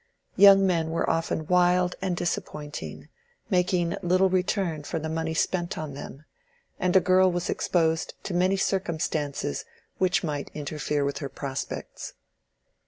Young men were often wild and disappointing, making little return for the money spent on them, and a girl was exposed to many circumstances which might interfere with her prospects.